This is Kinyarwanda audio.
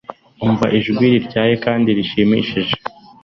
Umva Ijwi rityaye kandi rishimishije